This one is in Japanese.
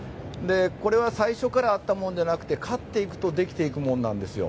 これは最初からあったものじゃなくて勝っていくとできていくものなんですよ。